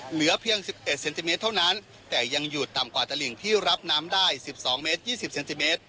เหลือเพียงสิบเอ็ดเซนติเมตรเท่านั้นแต่ยังอยู่ต่ำกว่าตระหลิงที่รับน้ำได้สิบสองเมตรยี่สิบเซนติเมตร